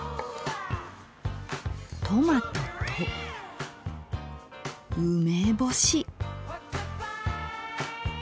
トマトと梅干し。